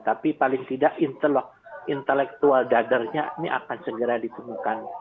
tapi paling tidak intelektual dadarnya ini akan segera ditemukan